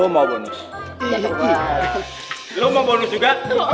lu mau bonus juga